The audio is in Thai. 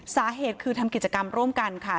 สาเหตุคือทำกิจกรรมร่วมกันค่ะ